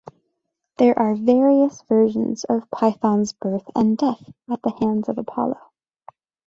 There are various versions of Python's birth and death at the hands of Apollo.